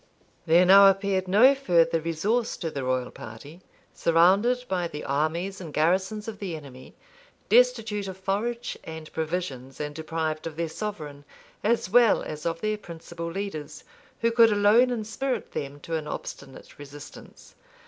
There now appeared no further resource to the royal party, surrounded by the armies and garrisons of the enemy, destitute of forage and provisions, and deprived of their sovereign, as well as of their principal leaders, who could alone inspirit them to an obstinate resistance.